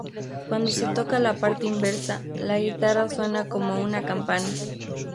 Cuando se toca la parte inversa, la guitarra suena como una campana.